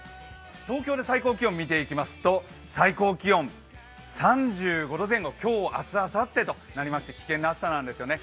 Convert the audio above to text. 東京で最高気温を見ていきますと、３５度前後今日、明日、あさってとなりまして、危険な暑さなんですね。